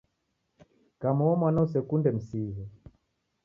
Kama uo mwana usekunde msighe